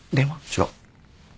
違う。